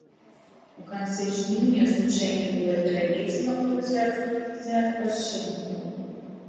У канцы жніўня злучэнне было пераведзена ў рэзерв для адпачынку.